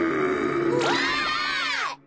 うわ！